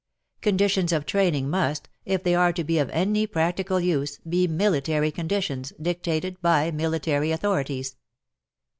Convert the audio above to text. Conditions of training must, if they are to be of any practical WAR AND WOMEN 235 use, be military conditions, dictated by military authorities.